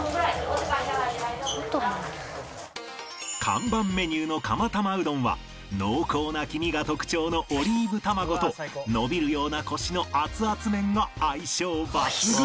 看板メニューの釜たまうどんは濃厚な黄身が特徴のオリーブ卵と伸びるようなコシの熱々麺が相性抜群！